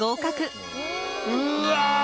うわ！